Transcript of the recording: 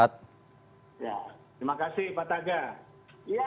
terima kasih pak taga